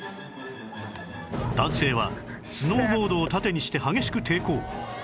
男性はスノーボードを盾にして激しく抵抗